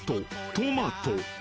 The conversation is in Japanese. トマト。